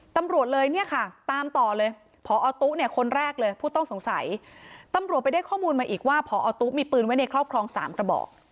ตำรวจเลยเนี่ยค่ะตามต่อเลยพอตุ๊เนี่ยคนแรกเลยผู้ต้องสงสัยตำรวจไปได้ข้อมูลมาอีกว่าพอตุ๊มีปืนไว้ในครอบครองสามกระบอก